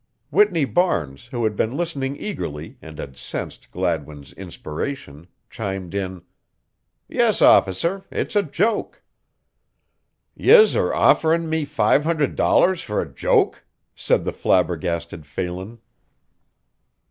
Whitney Barnes, who had been listening eagerly and had sensed Gladwin's inspiration, chimed in: "Yes, officer; it's a joke." "Yez are offering me five hundred dollars for a joke?" said the flabbergasted Phelan.